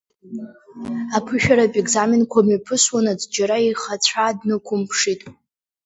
Аԥышәаратә екзаменқәа мҩаԥысуанаҵ џьара ихацәа днықәымԥшит.